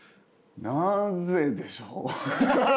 なぜでしょう？